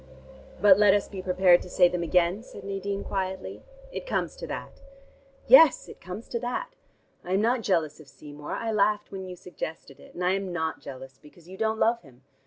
"But let us be prepared to say them again?" said Nadine quietly. "It comes to that." "Yes, it comes to that. I am not jealous of Seymour. I laughed when you suggested it; and I am not jealous, because you don't love him.